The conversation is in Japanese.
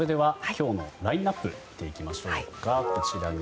今日のラインアップ見ていきましょう。